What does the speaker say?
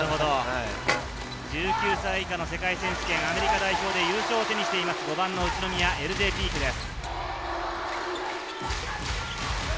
１９歳以下の世界選手権、アメリカ代表で優勝を手にしています、５番のＬＪ・ピークです。